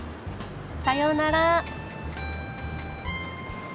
さようなら。